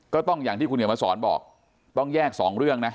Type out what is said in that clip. อย่างที่คุณเขียนมาสอนบอกต้องแยกสองเรื่องนะ